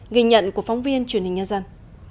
ghi nhận của phóng viên truyền hình nhân dân